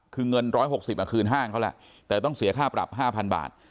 คือเงินร้อยหกสิบอ่ะคืนห้างเขาแหละแต่ต้องเสียค่าปรับห้าพันบาท